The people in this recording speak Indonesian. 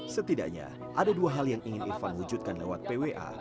setidaknya ada dua hal yang ingin irfan wujudkan lewat pwa